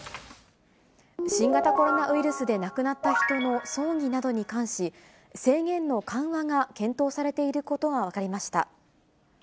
新型コロナウイルスで亡くなった人の葬儀などに関し、制限の緩和が検討されていることが分かりました。